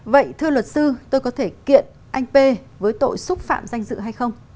vậy thưa luật sư tôi có thể kiện anh p với tội xúc phạm danh dự hay không